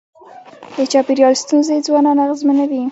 د چاپېریال ستونزې ځوانان اغېزمنوي.